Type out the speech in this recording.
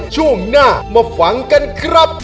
ช่วงหน้ามาฟังกันครับ